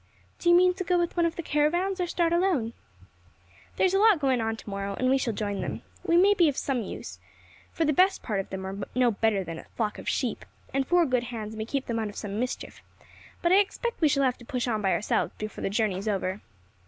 "Do you mean to go with one of the caravans, or start alone?" "There is a lot going on to morrow, and we shall join them. We may be of some use, for the best part of them are no better than a flock of sheep, and four good hands may keep them out of some mischief; but I expect we shall have to push on by ourselves before the journey is over."